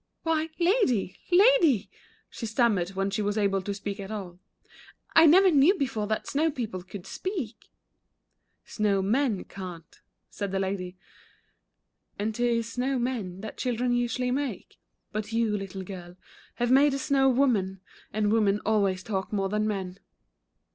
"Why, Lady, Lady," she stammered when she was able to speak at all, " I never knew before that snow people could speak." " Snow men can't," said the Lady, " and 't is snow men that children usually make, but you, little girl, have made a sno\w woman, and women always talk more than men."